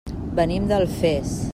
Venim d'Alfés.